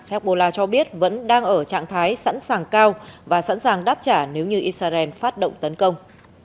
hezbollah cho biết vẫn đang ở trạng thái sẵn sàng cao và sẵn sàng đáp trả nếu như israel phát động tấn công